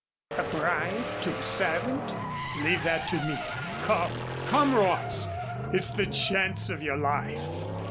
"A bribe to a servant?" "Leave that to me. Come, come, Ross, it's the chance of your life.